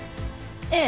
ええ。